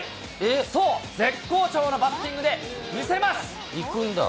そう、絶好調のバッティングで見せます。